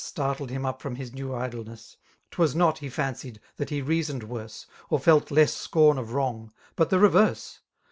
Startled him up from his new idleness, Twas not, — ^he fancied,— that he reasoned worse. Or felt less scorn of wrong, but tbe reverse.